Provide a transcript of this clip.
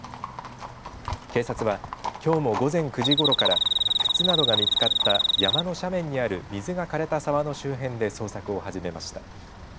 警察は、きょうも午前９時ごろから靴などが見つかった山の斜面にある水がかれた沢の周辺で捜索を始めました。